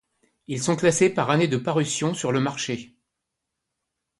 Ils sont classés par année de parution sur le marché.